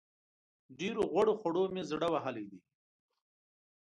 ډېرو غوړو خوړو مې زړه وهلی دی.